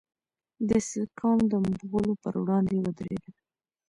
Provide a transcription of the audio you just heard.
سکام د مغولو پر وړاندې ودریدل.